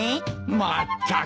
まったく。